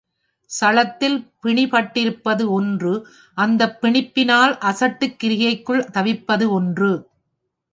சளத்தில் பிணிபட்டிருப்பது ஒன்று அந்தப் பிணிப்பினால் அசட்டுக் கிரியைக்குள் தவிப்பது ஒன்று.